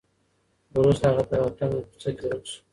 وروسته هغه په یوه تنګه کوڅه کې ورک شو.